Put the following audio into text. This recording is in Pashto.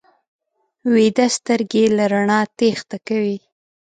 ویده سترګې له رڼا تېښته کوي